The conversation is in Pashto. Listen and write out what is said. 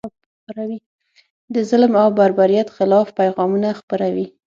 د ظلم او بربریت خلاف پیغامونه خپروي.